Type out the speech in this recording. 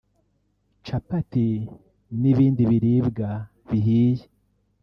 capati n’ibindi biribwa bihiye